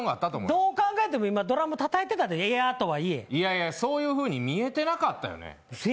どう考えてもドラムたたいてたで、エアとはいえいやいや、そういうふうに見えてなかったよね。